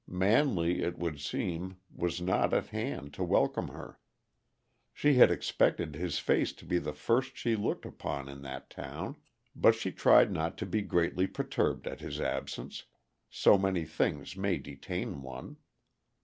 Manley, it would seem, was not at hand to welcome her. She had expected his face to be the first she looked upon in that town, but she tried not to be greatly perturbed at his absence; so many things may detain one.